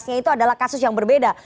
dua belas nya itu adalah kasus yang berbeda